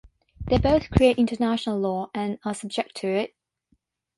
They both create international law and are subject to it.